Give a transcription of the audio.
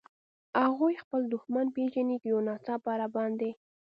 هغوی خپل دښمن پېژني، که یو ناڅاپه را باندې.